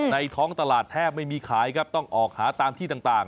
ท้องตลาดแทบไม่มีขายครับต้องออกหาตามที่ต่าง